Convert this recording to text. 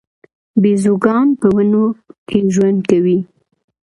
بیزوګان په ونو کې ژوند کوي